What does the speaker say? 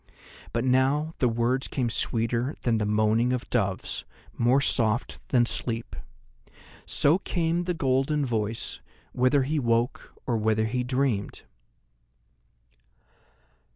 But now the words came sweeter than the moaning of doves, more soft than sleep. So came the golden voice, whether he woke or whether he dreamed.